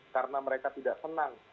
karena mereka tidak senang